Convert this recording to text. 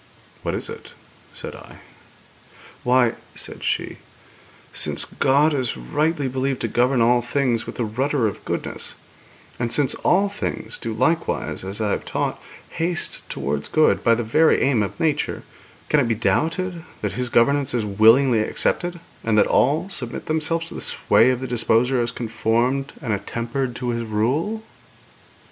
'What is it?' said I. 'Why,' said she, 'since God is rightly believed to govern all things with the rudder of goodness, and since all things do likewise, as I have taught, haste towards good by the very aim of nature, can it be doubted that His governance is willingly accepted, and that all submit themselves to the sway of the Disposer as conformed and attempered to His rule?'